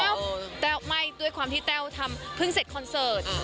แล้วแต้วไม่ด้วยความที่แต้วทำเพิ่งเสร็จคอนเสิร์ต